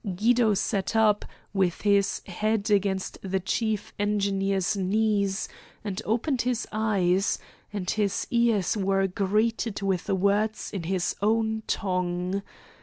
Guido sat up, with his head against the chief engineer's knees, and opened his eyes, and his ears were greeted with words in his own tongue.